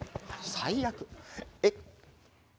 最悪。